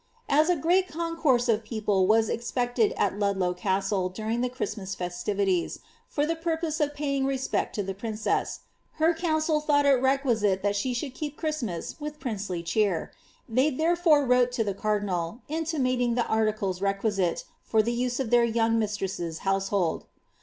As a great concourse of people was expected at Ludlow Castle dnriB| tlie Christmas festivities, for the purpose of paying respect to the pnnesM, her council thought it requisite that she should ^ keep Christraas with princely cheer ;'' they therefore wrote to the cardinal, intimating the articles requisite for the use of their young mistress's househoid.